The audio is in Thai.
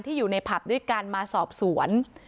อยู่ในผับด้วยกันมาสอบสวน